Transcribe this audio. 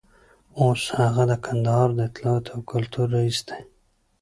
اوس هغه د کندهار د اطلاعاتو او کلتور رییس دی.